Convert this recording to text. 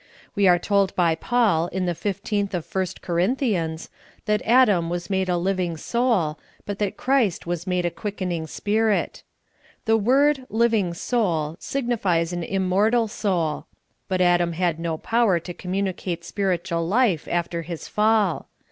We are toldb} Paul, in the 15th of ist Corinthians, that Adam was made a living soul, but that Christ was made a quickening Spirit. The word " living soul " signifies an immortal soul ; but Adam had no power to communicate spiritual life after his fall.